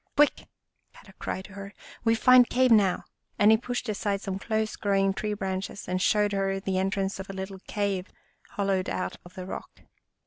"Quick!" Kadok cried to her, " We find cave now !" and he pushed aside some close growing tree branches and showed her the en trance of a little cave hollowed out of the rock.